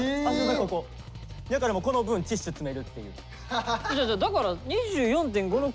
やからこの分ティッシュ詰めるっていう。